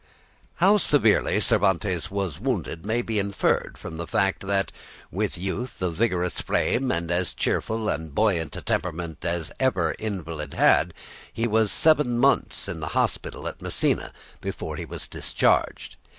How severely Cervantes was wounded may be inferred from the fact, that with youth, a vigorous frame, and as cheerful and buoyant a temperament as ever invalid had, he was seven months in hospital at Messina before he was discharged.